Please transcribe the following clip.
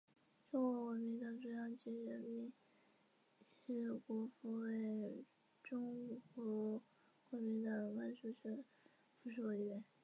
东平尾公园博多之森球技场在福冈县福冈市博多区的东平尾公园内的球场。